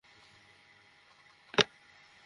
এরা আমাদের ছেলে!